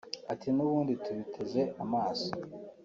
Ati “N’ubundi tubiteze amaso